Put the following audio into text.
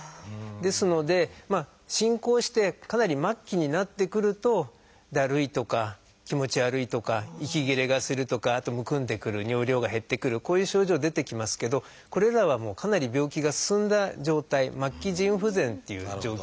ですので進行してかなり末期になってくるとだるいとか気持ち悪いとか息切れがするとかあとむくんでくる尿量が減ってくるこういう症状出てきますけどこれらはかなり病気が進んだ状態末期腎不全っていう状況なんですね。